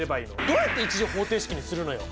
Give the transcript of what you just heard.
どうやって１次方程式にするのよ。